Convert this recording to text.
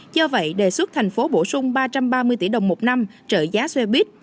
do vậy đề xuất thành phố bổ sung ba trăm ba mươi tỷ đồng một năm trợ giá xe buýt